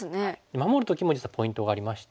守る時も実はポイントがありまして。